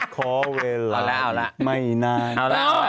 เพราะเวลาไม่นาน